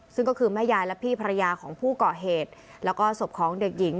ซึ่งก็คือแม่ยายและพี่ภรรยาของผู้เกาะเหตุแล้วก็ศพของเด็กหญิง